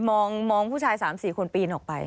มองผู้ชาย๓๔คนปีนออกไป